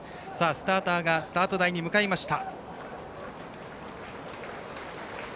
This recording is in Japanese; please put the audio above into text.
スターターがスタート台に向かいました。